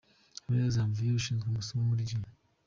Habineza Janvier ushinzwe amasomo muri G.